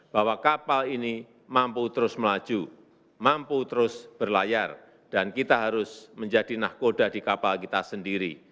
bahwa kapal ini mampu terus melaju mampu terus berlayar dan kita harus menjadi nahkoda di kapal kita sendiri